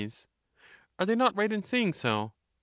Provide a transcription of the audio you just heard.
Soc. Are they not right in saying so